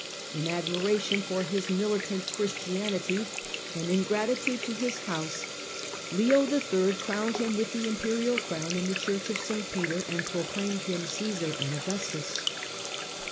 In admiration for his militant Christianity and in gratitude to his house, Leo III crowned him with the Imperial Crown in the Church of St. Peter and pro claimed him Caesar and Augustus.